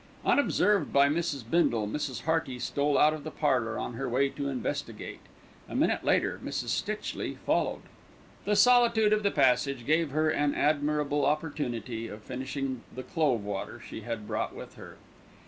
Unobserved by Mrs. Bindle, Mrs. Hearty stole out of the parlour on her way to investigate; a minute later Mrs. Stitchley followed. The solitude of the passage gave her an admirable opportunity of finishing the "clove water" she had brought with her.